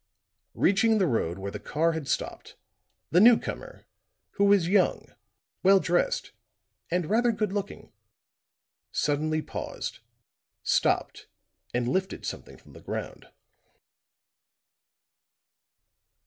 Reaching the road where the car had stopped, the newcomer, who was young, well dressed and rather good looking, suddenly paused, stooped and lifted something from the ground.